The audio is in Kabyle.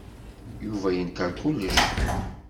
Yuba yenkeṛ kullec.